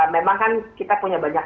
memang kan kita punya banyak